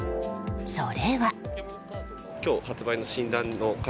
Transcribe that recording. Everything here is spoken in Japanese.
それは。